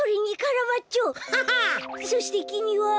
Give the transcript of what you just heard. そしてきみは。